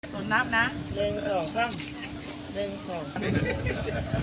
ส่วนน้ำนะ๑๒๓